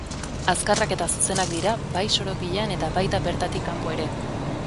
Azkarrak eta zuzenak dira bai soropilean eta baita bertatik kanpo ere.